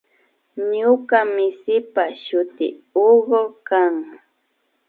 Ñuka misipa shuti Hugo kan